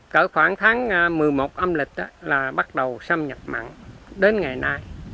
cỡ khoảng tháng một mươi một âm lịch là bắt đầu xâm nhập mặn đến ngày nay